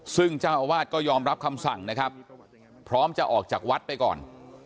ซึ่งเจ้าอาวาสก็ยอมรับคำสั่งนะครับพร้อมจะออกจากวัดไปก่อน